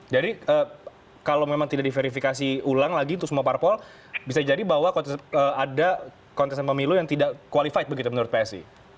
jadi kalau memang tidak diverifikasi ulang lagi untuk semua parpol bisa jadi bahwa ada kontestan pemilu yang tidak qualified begitu menurut psi